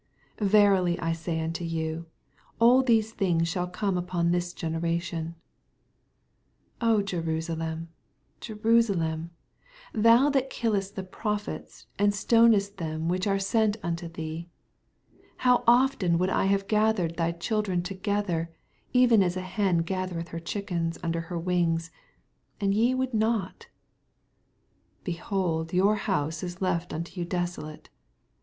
86 Verily I say unto you. All these things shaU come upon this generation. 87 Jerusalem, Jerusalem, ikou that killest the prophets, and stonest them which are sent nnto thee, how often would I have gathered thy cldl > dren together, even as a hen gathereth her chickens under her wings, and ye would not 1 88 Behold, your house is left onto you desolate.